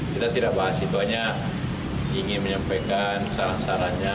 kita tidak bahas itu hanya ingin menyampaikan saran sarannya